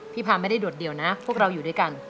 พาไม่ได้โดดเดี่ยวนะพวกเราอยู่ด้วยกัน